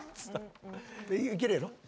いけるやろ？